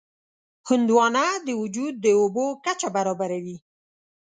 هندوانه د وجود د اوبو کچه برابروي.